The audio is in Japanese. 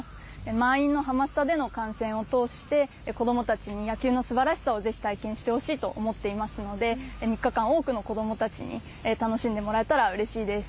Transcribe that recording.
満員のハマスタでの観戦を通して子どもたちに野球のすばらしさをぜひ体験してほしいと思っていますので３日間、多くの子どもたちに楽しんでもらえたらうれしいです。